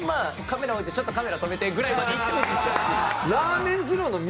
カメラ置いて「ちょっとカメラ止めて」ぐらいまでいってほしい。